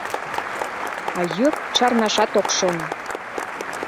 А йӱр чарнашат ок шоно.